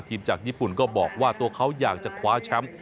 จากญี่ปุ่นก็บอกว่าตัวเขาอยากจะคว้าแชมป์